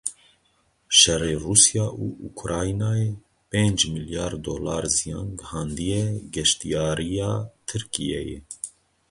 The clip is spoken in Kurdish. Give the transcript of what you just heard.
Şerê Rûsya û Ukraynayê pênc milyar dolar ziyan gihandiye geştiyariya Tirkiyeyê.